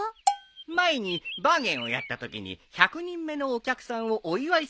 前にバーゲンをやったときに１００人目のお客さんをお祝いするためにね。